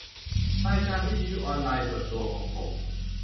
รายการวิทยุออนไลน์ส่วนตัวของผม